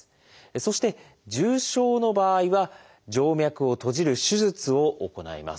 そして重症の場合は静脈を閉じる手術を行います。